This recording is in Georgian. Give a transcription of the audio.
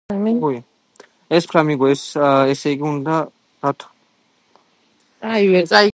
ეს ფლამინგოა. ესე იგი, უნდა დავთვალოთ ფლამინგოები.